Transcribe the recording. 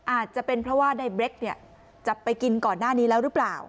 อาจจะเป็นเพราะว่าในเบรคเนี่ยจับไปกินก่อนหน้านี้แล้วหรือเปล่า